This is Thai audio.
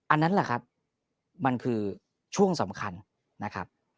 อันนั้นแหละครับมันคือช่วงสำคัญนะครับ